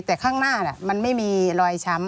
แต่ข้างหน้ามันไม่มีรอยช้ำ